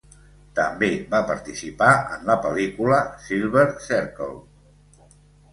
També va participar en la pel·lícula "Silver Circle".